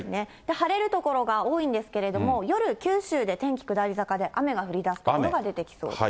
晴れる所が多いんですけれども、夜、九州で天気下り坂で、雨が降りだす所が出てきそうです。